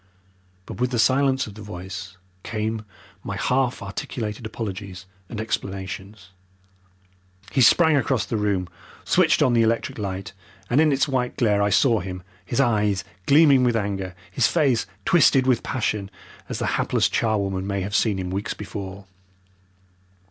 But with the silence of the voice came my half articulated apologies and explanations. He sprang across the room, switched on the electric light, and in its white glare I saw him, his eyes gleaming with anger, his face twisted with passion, as the hapless charwoman may have seen him weeks before.